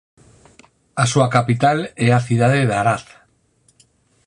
A súa capital é a cidade de Arad.